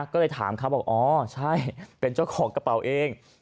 ก็เลยถามเขาบอกอ๋อใช่เป็นเจ้าของกระเป๋าเอง